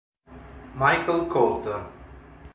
Michael Coulter